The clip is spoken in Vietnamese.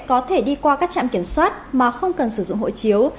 có thể đi qua các trạm kiểm soát mà không cần sử dụng hộ chiếu